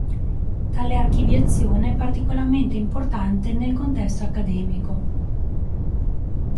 Tale archiviazione è particolarmente importante nel contesto accademico.